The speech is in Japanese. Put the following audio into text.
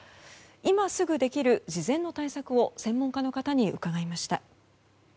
今すぐできる事前の対策を専門家の方に伺いました。